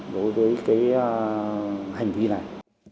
đối với cái hành vi này